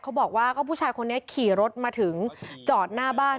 เขาบอกว่าพี่ชายคนนี้ขี่รถมาถึงจอดหน้ากลางบ้าน